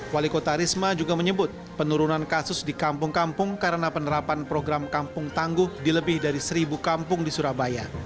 wali kota risma juga menyebut penurunan kasus di kampung kampung karena penerapan program kampung tangguh di lebih dari seribu kampung di surabaya